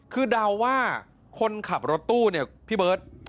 คือเดาว่าคนขับรถตู้เนี่ยพี่เบิร์ต